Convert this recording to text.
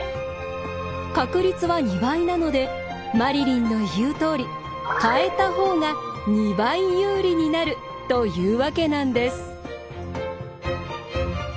確率は２倍なのでマリリンの言うとおり変えた方が２倍有利になるというわけなんです。